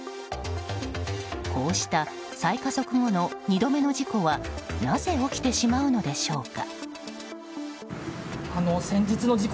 こうした再加速後の２度目の事故はなぜ起きてしまうのでしょうか。